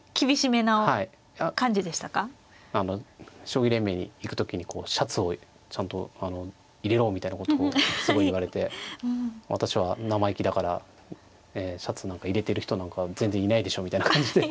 将棋連盟に行く時にシャツをちゃんと入れろみたいなことをすごい言われて私は生意気だからシャツなんか入れてる人なんか全然いないでしょみたいな感じで。